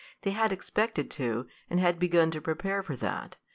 They had expected to, and had begun to prepare for that.